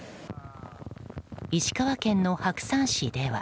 石川県の白山市では。